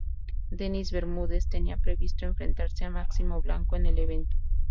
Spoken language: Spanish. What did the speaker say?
Dennis Bermúdez tenía previsto enfrentarse a Máximo Blanco en el evento.